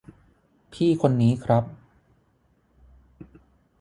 พี่คนนี้ครับ